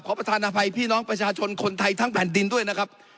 ประธานอภัยพี่น้องประชาชนคนไทยทั้งแผ่นดินด้วยนะครับ